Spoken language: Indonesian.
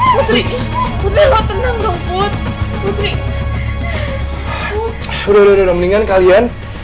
putri putri lu tenang dong putri putri udah udah mendingan kalian